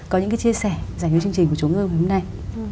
có những cái chia sẻ dành cho chương trình của chú ngư hôm nay